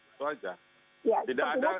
itu aja tidak ada